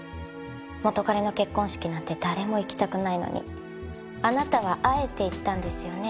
元彼の結婚式なんて誰も行きたくないのにあなたはあえて行ったんですよね？